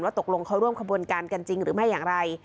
ตกลงเขาร่วมขบวนการกันจริงหรือไม่อย่างไร